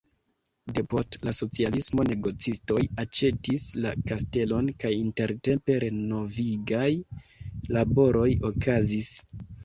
Depost la socialismo negocistoj aĉetis la kastelon kaj intertempe renovigaj laboroj okazis.